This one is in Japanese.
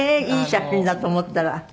いい写真だと思ったら。